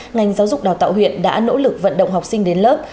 ngành giáo dục đào tạo huyện đã nỗ lực vận động học sinh đến lớp